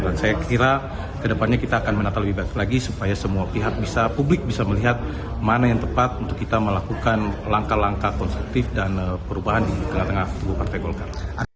dan saya kira kedepannya kita akan menata lebih baik lagi supaya semua pihak bisa publik bisa melihat mana yang tepat untuk kita melakukan langkah langkah konstruktif dan perubahan di tengah tengah tugu partai golkar